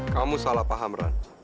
kamu salah paham ran